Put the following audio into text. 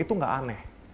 itu tidak aneh